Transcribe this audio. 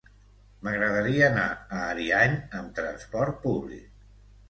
M'agradaria anar a Ariany amb transport públic.